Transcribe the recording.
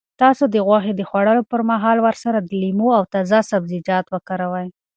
تاسو د غوښې د خوړلو پر مهال ورسره لیمو او تازه سبزیجات وکاروئ.